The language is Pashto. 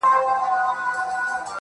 مه وله د سترگو اټوم مه وله,